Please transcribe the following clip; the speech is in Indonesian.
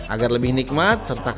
agar lebih nikmat